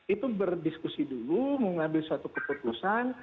itu berdiskusi dulu mengambil suatu keputusan